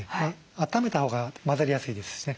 あっためたほうが混ざりやすいですしね。